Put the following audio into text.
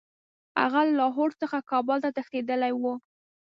هغه له لاهور څخه کابل ته تښتېتدلی وو.